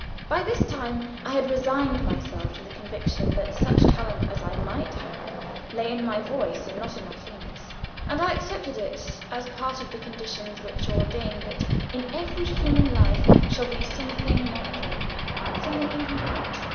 By this time I had resigned myself to the conviction that such talent as I might have lay in my voice, not my fingers, and accepted it as part of the conditions which ordain that in every human life shall be something manqué, something incomplete.